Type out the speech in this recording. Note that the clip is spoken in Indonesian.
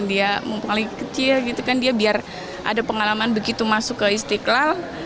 dia mukali kecil gitu kan dia biar ada pengalaman begitu masuk ke istiqlal